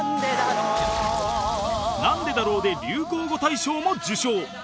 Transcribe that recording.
「なんでだろう」で流行語大賞も受賞